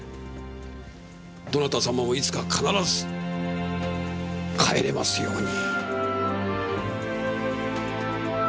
どなた様もいつか必ず帰れますように。